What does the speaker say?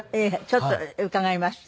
ちょっと伺いました。